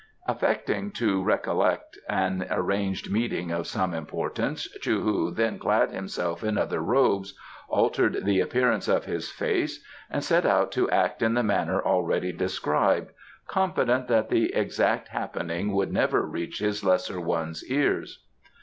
Affecting to recollect an arranged meeting of some importance, Chou hu then clad himself in other robes, altered the appearance of his face, and set out to act in the manner already described, confident that the exact happening would never reach his lesser one's ears.